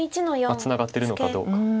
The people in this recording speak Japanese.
ツナがってるのかどうか。